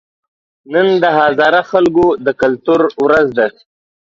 نن د هزاره خلکو د کلتور ورځ ده